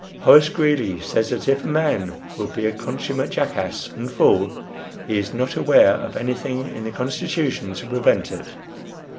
Horace Greeley says that if a man will be a consummate jackass and fool, he is not aware of anything in the Constitution to prevent it.